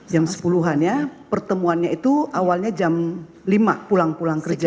jam sepuluh an ya pertemuannya itu awalnya jam lima pulang pulang kerja